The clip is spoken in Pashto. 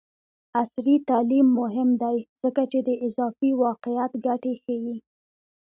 عصري تعلیم مهم دی ځکه چې د اضافي واقعیت ګټې ښيي.